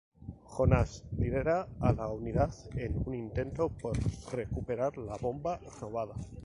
Jonas lidera a la unidad en un intento por recuperar la bomba robada.